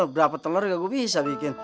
berapa telur juga gue bisa bikin